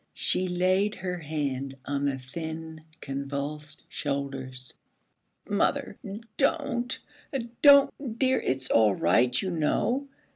She laid her hand on the thin convulsed shoulders. 'Mother, don't don't, dear, it's all right, you know.'